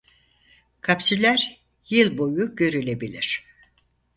Kapsüller yıl boyu görülebilir.